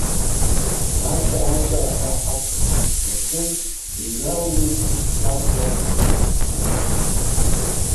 Арҵәаа-арҵәаа ҳәа аҵх лашәы иналҩит изхабгаз аԥҳәыс лыҳәҳәабжь!